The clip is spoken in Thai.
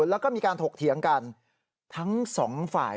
แล้วก็มีการถกเถียงกันทั้งสองฝ่าย